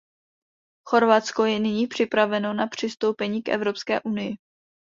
Chorvatsko je nyní připraveno na přistoupení k Evropské unii.